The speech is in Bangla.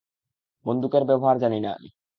বন্দুকের ব্যবহার জানি না আমি।